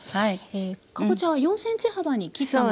かぼちゃは４ｃｍ幅に切ったものです。